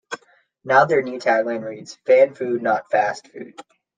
Now, their new tagline reads, "Fan Food, not Fast Food".